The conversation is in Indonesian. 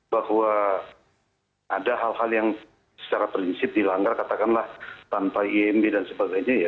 bahwa ada hal hal yang secara prinsip dilanggar katakanlah tanpa imb dan sebagainya ya